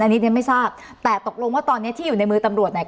อันนี้เดี๋ยวไม่ทราบแต่ตกลงว่าตอนเนี้ยที่อยู่ในมือตำรวจเนี่ย